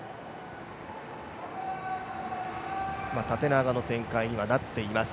縦長の展開にはなっています。